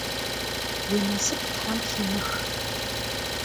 Vui nasıp them ximıx!